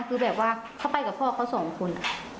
คือแบบว่าเขาไปกับพ่อเขาสองคน